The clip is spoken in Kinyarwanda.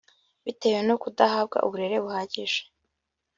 bitewe no kudahabwa uburere buhagije